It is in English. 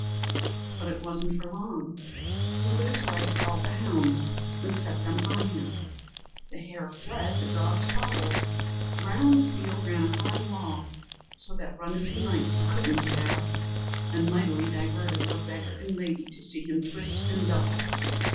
But it wasn't for long; who but his wife called the hounds, and set them on him. The hare fled, the dogs followed. Round the field ran a high wall, so that run as he might, he couldn't get out, and mightily diverted were beggar and lady to see him twist and double.